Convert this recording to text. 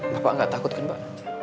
bapak nggak takut kan pak